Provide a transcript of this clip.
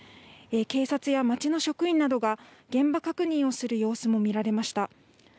警察や町の職員などが現場確認をする様子も見られました。